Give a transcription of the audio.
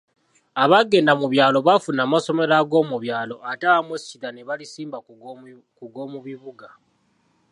"Abaagenda mu byalo, baafuna amasomero ag’omubyalo ate abamu essira ne balisimba ku g’omubibuga."